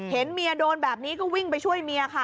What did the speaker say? เห็นเมียโดนแบบนี้ก็วิ่งไปช่วยเมียค่ะ